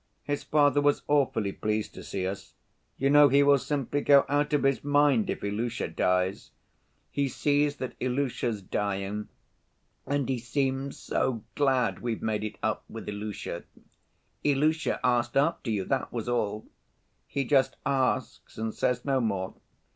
His father was awfully pleased to see us. You know he will simply go out of his mind if Ilusha dies. He sees that Ilusha's dying. And he seems so glad we've made it up with Ilusha. Ilusha asked after you, that was all. He just asks and says no more.